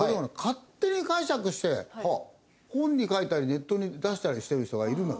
勝手に解釈して本に書いたりネットに出したりしてる人がいるのよ。